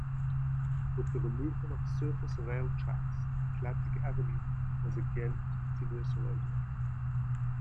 With the removal of surface rail tracks, Atlantic Avenue was again a continuous roadway.